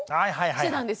してたんですよ。